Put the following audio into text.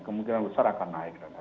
kemungkinan besar akan naik